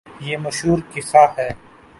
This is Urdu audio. یہ مشہورقصہ ہے۔